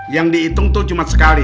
yang diitung tuh cuma sekali